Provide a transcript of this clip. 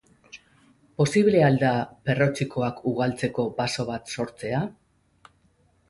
Posible al da perretxikoak ugaltzeko baso bat sortzea?